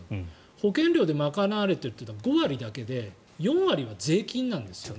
保険料で賄われているのは５割で４割は税金なんですね。